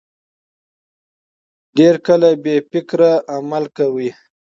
ډېر کله بې فکره عمل کوي.